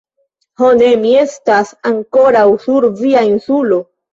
Ho ne, mi estas ankoraŭ sur via Insulo...